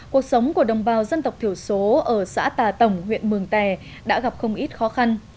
cuộc sống của đồng bào dân tộc thiểu số ở xã tà tổng huyện mường tè đã gặp không ít khó khăn